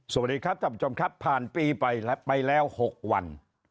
สวัสดีครับท่านผู้ชมครับผ่านปีไปแล้ว๖วัน